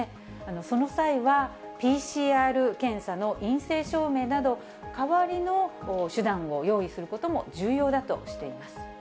その際は、ＰＣＲ検査の陰性証明など、代わりの手段を用意することも重要だとしています。